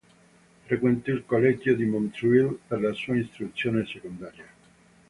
Frequentò il collegio di Montreuil per la sua istruzione secondaria.